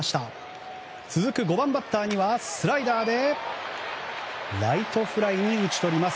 続く５番バッターにはスライダーでライトフライに打ち取ります。